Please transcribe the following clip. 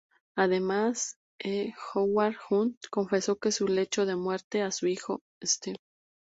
Además, E. Howard Hunt confesó en su lecho de muerte a su hijo St.